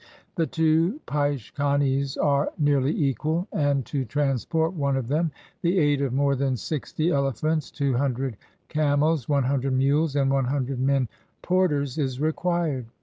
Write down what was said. The two pdchc kanes are nearly equal, and to transport one of them the aid of more than sixty elephants, two hundred camels, one hundred mules, and one hundred men porters is required.